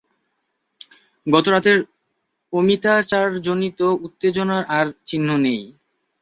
গতরাতের অমিতাচারজনিত উত্তেজনার আর চিহ্ন নেই।